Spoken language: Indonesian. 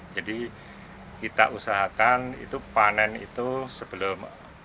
jadi kita usahakan panen itu sebelum